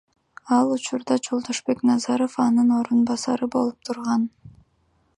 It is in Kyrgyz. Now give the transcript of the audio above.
Ал учурда Жолдошбек Назаров анын орун басары болуп турган.